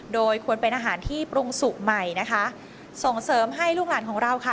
โดยควรเป็นอาหารที่ปรุงสุกใหม่นะคะส่งเสริมให้ลูกหลานของเราค่ะ